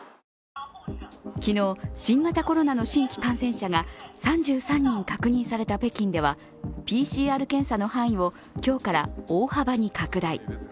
昨日、新型コロナの新規感染者が３３人確認された北京ではＰＣＲ検査の範囲を今日から大幅に拡大。